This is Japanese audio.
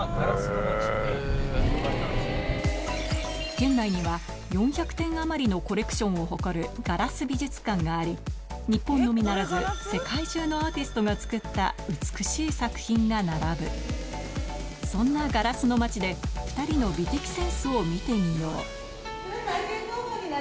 県内には４００点余りのコレクションを誇るガラス美術館があり日本のみならず世界中のアーティストが作った美しい作品が並ぶそんなガラスの街ではい作ることができます。